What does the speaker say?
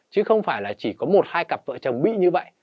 chứ không phải là chỉ có một hai cặp vợ chồng bị như vậy